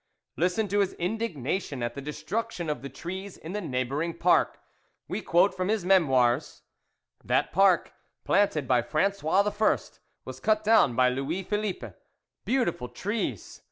Listen to his indignation at the destruction of the trees in the neighbouring park. We quote from his Memoirs: "That park, planted by Frangois I., was 2ut down by Louis Philippe. Beautiful trees